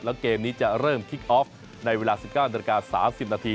แล้วเกมนี้จะเริ่มคิกออฟในเวลา๑๙นาฬิกา๓๐นาที